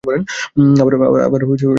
আবারও কিছুক্ষণ বিট করতে হবে।